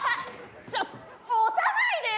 ちょっと押さないでよ！